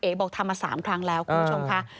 บอกทำมา๓ครั้งแล้วคุณผู้ชมค่ะ